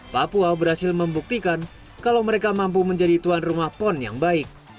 papua berhasil membuktikan kalau mereka mampu menjadi tuan rumah pon yang baik